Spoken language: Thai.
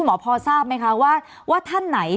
คุณหมอประเมินสถานการณ์บรรยากาศนอกสภาหน่อยได้ไหมคะ